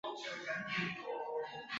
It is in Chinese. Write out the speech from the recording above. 出身于大分县。